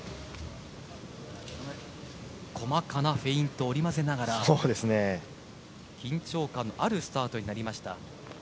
細かなフェイントを織り交ぜながら緊張感あるスタートになりました。